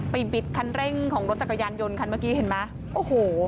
บิดคันเร่งของรถจักรยานยนต์คันเมื่อกี้เห็นไหมโอ้โห